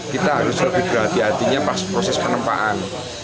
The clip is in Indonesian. kita harus lebih berhati hatinya pas proses penempaan